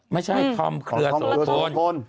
ไม่ใช่ธอมเคลือโสโพน